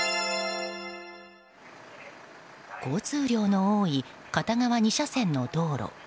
交通量の多い片側２車線の道路。